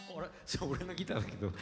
それ俺のギターだけど。